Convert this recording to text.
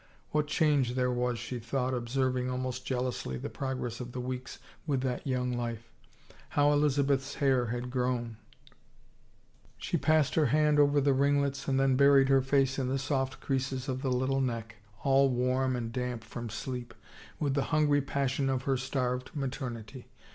What change there was, she thought, observing almost jealously the progress of the weeks with that young life. How Elizabeth's hair 286 A RIVAL FLOUTED had grown ! She passed her hand over the ringlets and then buried her face in the soft creases of the Httle neck, all warm and damp from sleep, with the hungry passion of her starved maternity.